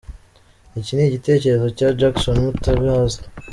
Iki ni igitekerezo cya Jackson Mutabazi.